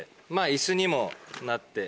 椅子にもなって。